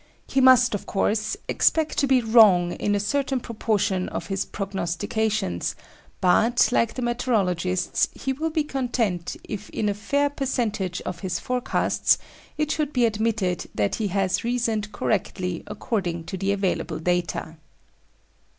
He must, of course, expect to be wrong in a certain proportion of his prognostications; but, like the meteorologists, he will be content if in a fair percentage of his forecasts it should be admitted that he has reasoned correctly according to the available data.